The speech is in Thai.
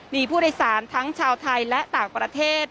มีผู้โดยสารทั้งชาวไทยและต่างประเทศ